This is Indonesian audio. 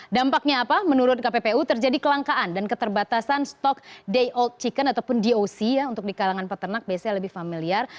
dampaknya apa menurut kppu terjadi kelangkaan dan keterbatasan stok day old chicken ataupun doc ya untuk di kalangan peternak biasanya lebih familiar